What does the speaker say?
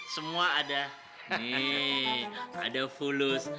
semua ada di ada fulus